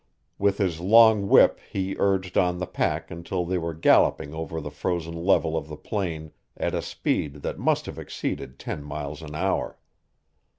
With his long whip he urged on the pack until they were galloping over the frozen level of the plain at a speed that must have exceeded ten miles an hour.